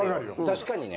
確かにね。